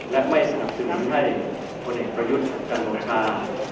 และไม่สนับสนุนให้คนเองประยุทธ์การลงทาง